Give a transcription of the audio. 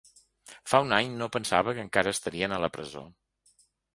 Fa un any no pensava que encara estarien a la presó.